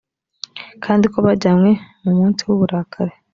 kandi ko bajyanywe mu munsi w uburakari